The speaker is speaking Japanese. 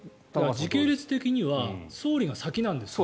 時系列的には総理が先なんですよ。